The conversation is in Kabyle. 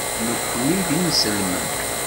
Nekkni d inselmen.